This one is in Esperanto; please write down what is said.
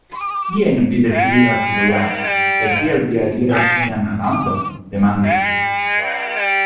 Kien vi deziras vojaĝi, kaj kial vi aliras nian landon? demandis li.